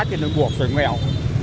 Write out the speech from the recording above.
cho nên buộc rồi nghèo